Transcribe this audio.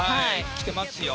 着てますよ。